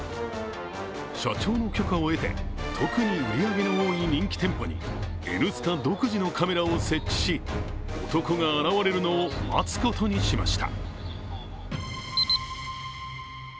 社長の許可を得て特に売り上げの多い人気店舗に「Ｎスタ」独自のカメラを設置し男が現れるのを待つことにしました。